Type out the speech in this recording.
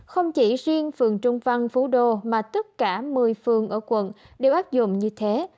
không chỉ riêng phường trung văn phú đô mà tất cả một mươi phường ở quận đều áp dụng như thế